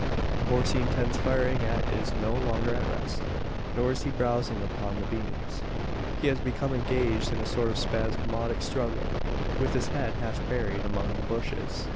The horse he intends firing at is no longer at rest, nor is he browsing upon the beans. He has become engaged in a sort of spasmodic struggle with his head half buried among the bushes!